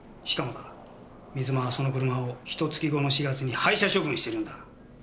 しかもだ水間はその車をひと月後の４月に廃車処分してるんだ。